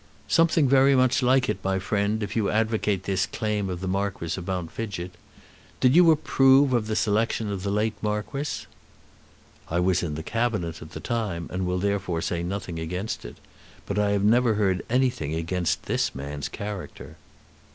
"Something very much like it, my friend, if you advocate the claim of the Marquis of Mount Fidgett. Did you approve of the selection of the late Marquis?" "I was in the Cabinet at the time, and will therefore say nothing against it. But I have never heard anything against this man's character."